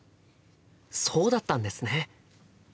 そうだったんですね。